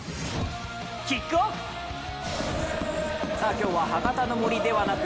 今日は博多の森ではなく。